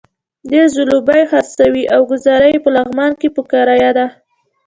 دی ځلوبۍ خرڅوي او ګوزاره یې په لغمان کې په کرايه ده.